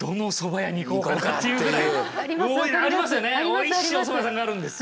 おいしいおそば屋さんがあるんですよ。